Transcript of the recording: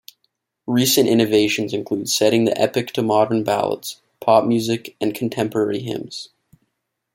Recent innovations include setting the epic to modern ballads, pop music, and contemporary hymns.